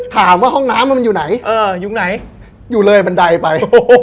ถามว่าห้องน้ำมันอยู่ไหนเอออยู่ไหนอยู่เลยบันไดไปโอ้โห